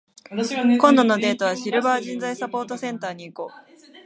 今度のデートは、シルバー人材サポートセンターに行こう。